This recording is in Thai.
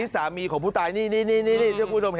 สามีผู้ตายนี่นะครับนายสูงสังเผลอ